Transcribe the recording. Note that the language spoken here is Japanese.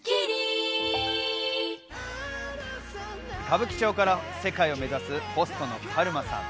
歌舞伎町から世界を目指す、ホストのカルマさん。